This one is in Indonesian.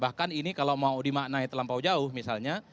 bahkan ini kalau mau dimaknai terlampau jauh misalnya